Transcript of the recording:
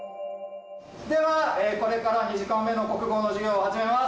では、これから２時間目の国語の授業を始めます。